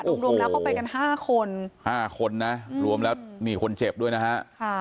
โรงรวมแล้วเข้าไปกันห้าคนห้าคนนะรวมแล้วมีคนเจ็บด้วยนะฮะค่ะ